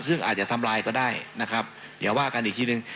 ซึ่งอาจจะทำลายก็ได้นะครับเดี๋ยวว่ากันอีกทีหนึ่ง